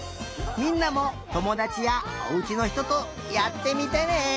みんなもともだちやおうちのひととやってみてね！